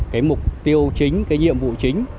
cái mục tiêu chính cái nhiệm vụ chính